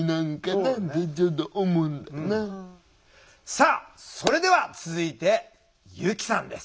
さあそれでは続いて由希さんです。